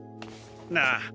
なあ